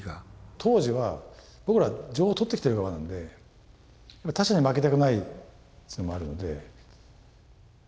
当時は僕ら情報とってきてる側なんで他社に負けたくないっていうのもあるので。